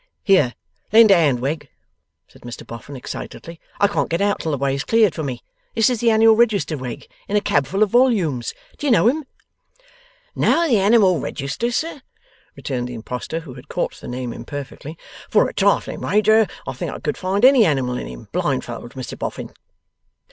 'Here! lend a hand, Wegg,' said Mr Boffin excitedly, 'I can't get out till the way is cleared for me. This is the Annual Register, Wegg, in a cab full of wollumes. Do you know him?' 'Know the Animal Register, sir?' returned the Impostor, who had caught the name imperfectly. 'For a trifling wager, I think I could find any Animal in him, blindfold, Mr Boffin.